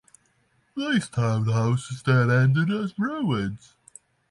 These town houses then ended as ruins.